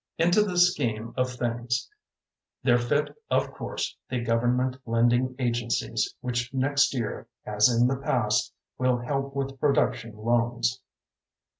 Into this scheme of things there fit of course the government lending agencies which next year, as in the past, will help with production loans.